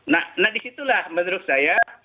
nah disitulah menurut saya